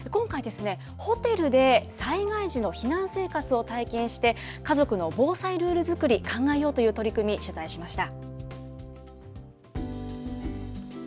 今回、ホテルで災害時の避難生活を体験して、家族の防災ルール作り、考えようという取り組み、取材しました。